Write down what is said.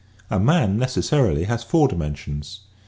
A man necessarily has four dimensions.